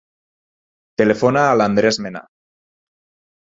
Telefona a l'Andrés Mena.